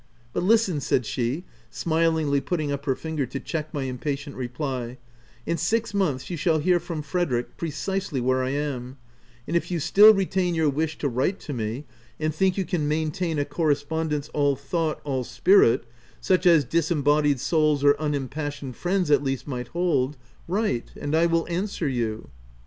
But listen/' said she, smilingly putting up her finger to check my im patient reply : in six months you shall hear from Frederick precisely where I am ; and if you still retain your wish to write to me, and think you can maintain a correspondence all thought, all spirit — such as disembodied souls or unimpassioned friends, at least, might hold, — write, and I will answer you."